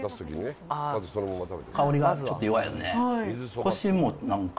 香りがちょっと弱いよね。